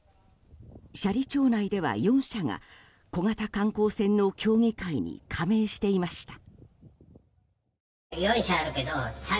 斜里町内では４社が小型観光船の協議会に加盟していました。